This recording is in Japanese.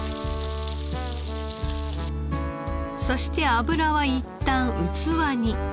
そして脂はいったん器に。